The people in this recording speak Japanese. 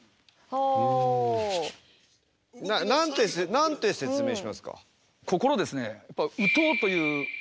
何て説明しますか？